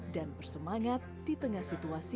dan bersemangat di tengah situasi